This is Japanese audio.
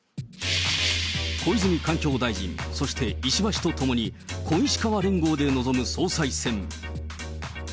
小泉環境大臣、そして石破氏と共に、小石河連合で臨む総裁選。